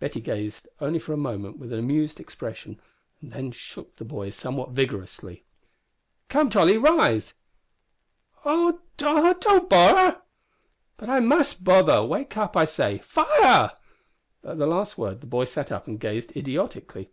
Betty gazed only for a moment with an amused expression, and then shook the boy somewhat vigorously. "Come, Tolly, rise!" "Oh! d on't b borrer." "But I must bother. Wake up, I say. Fire!" At the last word the boy sat up and gazed idiotically.